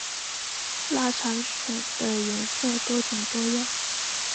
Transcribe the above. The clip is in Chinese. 腊肠犬的颜色多种多样。